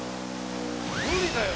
「無理だよ！」